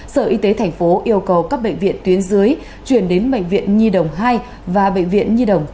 sở y tế tp yêu cầu các bệnh viện tuyến dưới chuyển đến bệnh viện nhi đồng hai và bệnh viện nhi đồng tp